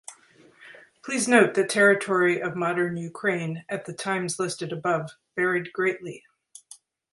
Please note that territory of modern Ukraine at the times listed above varied greatly.